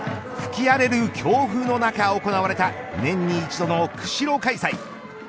吹き荒れる強風の中、行われた年に一度の釧路開催。